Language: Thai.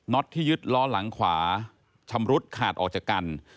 ็ตที่ยึดล้อหลังขวาชำรุดขาดออกจากกัน